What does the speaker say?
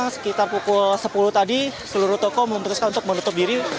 sekitar pukul sepuluh tadi seluruh toko memutuskan untuk menutup diri